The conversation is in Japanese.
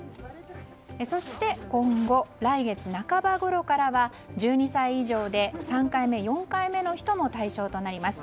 そして、今後来月半ばごろからは１２歳以上で３回目、４回目の人も対象となります。